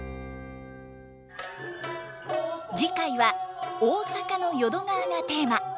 次回は大阪の淀川がテーマ。